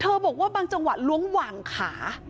บอกว่าบางจังหวะล้วงหว่างขา